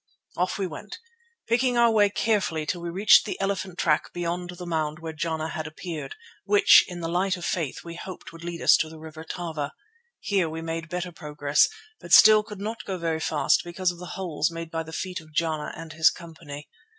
Off we went, picking our way carefully till we reached the elephant track beyond the mound where Jana had appeared, which, in the light of faith, we hoped would lead us to the River Tava. Here we made better progress, but still could not go very fast because of the holes made by the feet of Jana and his company.